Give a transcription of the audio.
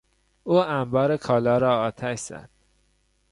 او انبار کالا را آتش زد.